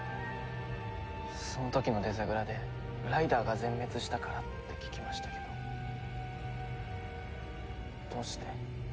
その時のデザグラでライダーが全滅したからって聞きましたけどどうして？